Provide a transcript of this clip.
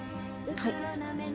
はい。